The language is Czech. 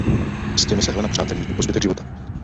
S těmi se Helena přáteli i po zbytek života.